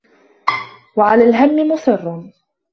وَعَلَى الْهَمِّ مُصِرٌّ